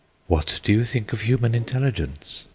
"What do you think of human intelligence?"